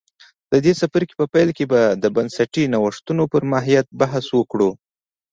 د دې څپرکي په پیل کې به د بنسټي نوښتونو پر ماهیت بحث وکړو